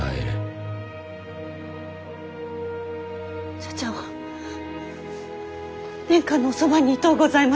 茶々は殿下のおそばにいとうございます。